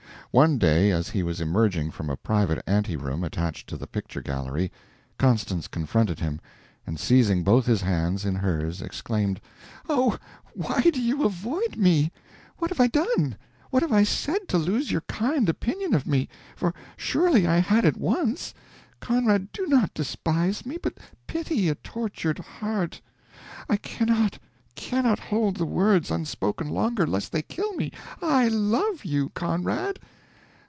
One day as he was emerging from a private ante room attached to the picture gallery, Constance confronted him, and seizing both his hands, in hers, exclaimed: "Oh, why, do you avoid me? What have I done what have I said, to lose your kind opinion of me for, surely I had it once? Conrad, do not despise me, but pity a tortured heart? I cannot cannot hold the words unspoken longer, lest they kill me I LOVE you, CONRAD!